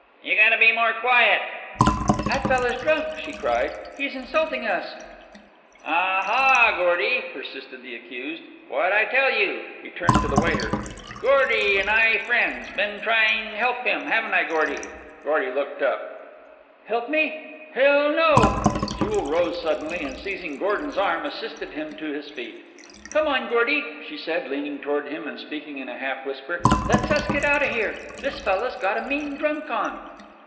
"You gotta be more quiet!" "That fella's drunk," she cried. "He's insulting us." "Ah ha, Gordy," persisted the accused. "What'd I tell you." He turned to the waiter. "Gordy an' I friends. Been tryin' help him, haven't I, Gordy?" Gordy looked up. "Help me? Hell, no!" Jewel rose suddenly, and seizing Gordon's arm assisted him to his feet. "Come on, Gordy!" she said, leaning toward him and speaking in a half whisper. "Let's us get out of here. This fella's got a mean drunk on."